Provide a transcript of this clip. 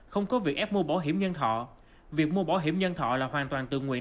không có việc ép mua bảo hiểm nhân thọ việc mua bảo hiểm nhân thọ là hoàn toàn tự nguyện